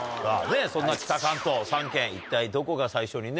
そんな北関東３県一体どこが最初にね